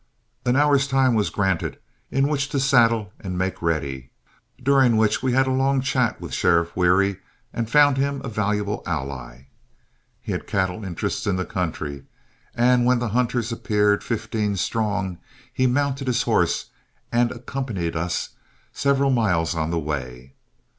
An hour's time was granted in which to saddle and make ready, during which we had a long chat with Sheriff Wherry and found him a valuable ally. He had cattle interests in the country, and when the hunters appeared, fifteen strong, he mounted his horse and accompanied us several miles on the way.